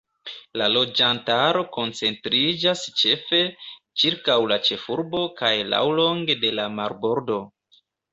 La loĝantaro koncentriĝas ĉefe ĉirkaŭ la ĉefurbo kaj laŭlonge de la marbordo.